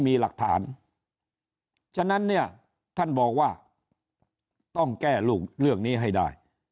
มีหลักฐานฉะนั้นเนี่ยท่านบอกว่าต้องแก้เรื่องนี้ให้ได้